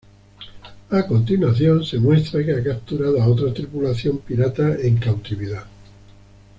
A continuación, se muestra que ha capturado a otra tripulación pirata en cautividad.